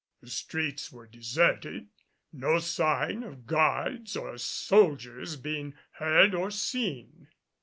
The streets were deserted, no sign of guards or soldiers being heard or seen.